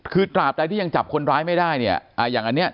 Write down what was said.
คือตราบใดที่ยังจับคนร้ายไม่ได้เนี่ยอย่างอันเนี้ย